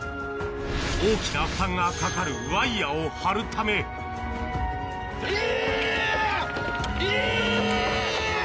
大きな負担がかかるワイヤを張るためいや！